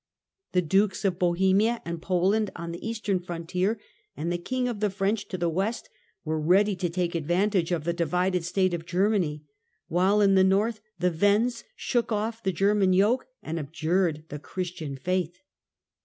The dukes of Bohemia and Poland, on the eastern frontier, and the king of the French, to the west, were ready to take advantage of the divided state of Germany, while in the north the Wends shook off the German yoke and abjured the Christian faith.